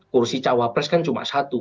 kursi cawapres kan cuma satu